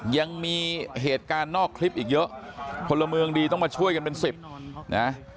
ยังมีเหตุการณ์นอกคลิปอีกเยอะพลเมืองดีต้องมาช่วยกันเป็นสิบนะ